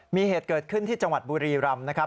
มีเหตุเกิดขึ้นที่จังหวัดบุรีรำนะครับ